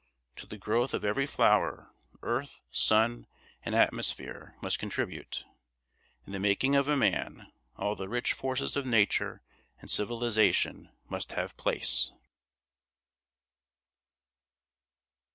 To the growth of every flower earth, sun, and atmosphere must contribute; in the making of a man all the rich forces of nature and civilisation must have place.